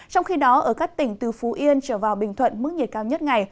trong khi đó ở các tỉnh từ phú yên trở vào bình thuận mức nhiệt cao nhất ngày